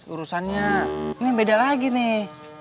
urusannya ini beda lagi nih